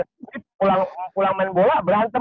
tapi pulang main bola berantem